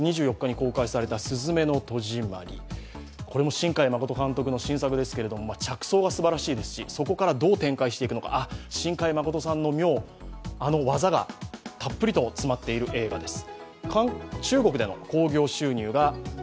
新海誠監督の新作ですけれども着想がすばらしいですし、そこからどう展開していくのか新海誠さんの妙、技がたっぷりと詰まっている映画です。